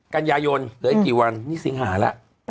กันยายนเหลืออีกกี่วันนี่สิงหาแล้ว